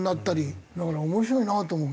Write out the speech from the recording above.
だから面白いなと思うけど。